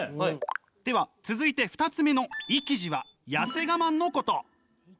では続いて２つ目の意気地は痩せ我慢のこと！